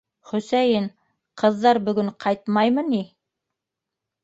Хөсәйен, ҡыҙҙар бөгөн ҡайтмаймы ни?